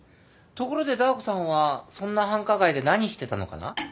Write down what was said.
ところでダー子さんはそんな繁華街で何してたのかな？